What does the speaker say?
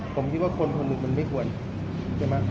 ผมคิดว่าคนคนหนึ่งมันไม่ควรใช่ไหม